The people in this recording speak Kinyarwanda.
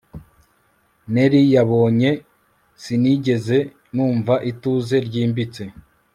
Neer yabonye I sinigeze numva ituze ryimbitse